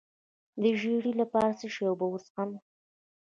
د ژیړي لپاره د څه شي اوبه وڅښم؟